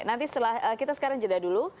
nanti setelah kita sekarang jeda dulu